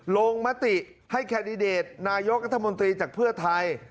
ลงมติให้แคนดิเดตนายกรัฐมนตรีจากเพื่อไทย